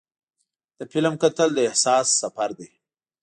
د فلم کتل د احساس سفر دی.